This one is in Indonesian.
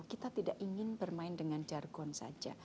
kita tidak ingin bermain dengan jargon saja